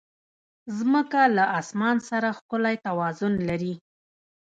مځکه له اسمان سره ښکلی توازن لري.